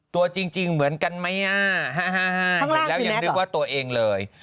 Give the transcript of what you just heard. ตัวจริงเหมือนกันไหมอ่ะเห็นแล้วยังนึกว่าตัวเองเลย